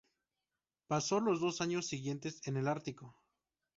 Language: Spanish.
Pasó los dos años siguientes en el Ártico.